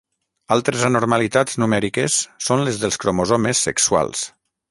Altres anormalitats numèriques són les dels cromosomes sexuals.